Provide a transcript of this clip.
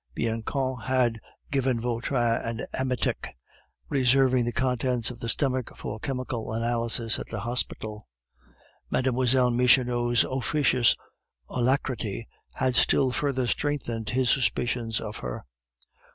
Bianchon had given Vautrin an emetic, reserving the contents of the stomach for chemical analysis at the hospital. Mlle. Michonneau's officious alacrity had still further strengthened his suspicions of her.